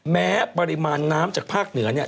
แม้ปริมาณน้ำจากภาคเหนือเนี่ย